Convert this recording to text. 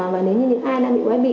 và nếu như những ai đã bị quay bị